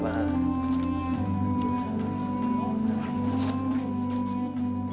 benar ini alamatnya